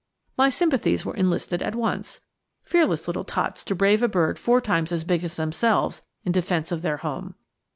My sympathies were enlisted at once. Fearless little tots to brave a bird four times as big as themselves in defense of their home!